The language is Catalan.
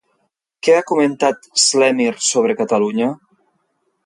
Què ha comentat Slemyr sobre Catalunya?